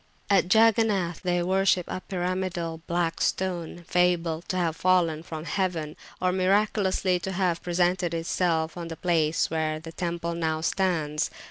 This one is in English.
At Jagannath they worship a pyramidal black stone, fabled to have fallen from heaven, or miraculously to have presented itself on the place where the temple now stands.